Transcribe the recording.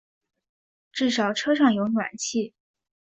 至少车上有暖气